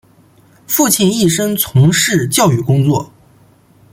父亲一生从事教育工作。